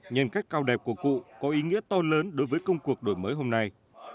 nhân cách cao đẹp của cụ có ý nghĩa to lớn đối với công cuộc đổi mới hôm nay